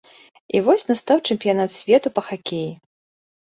І вось настаў чэмпіянат свету па хакеі.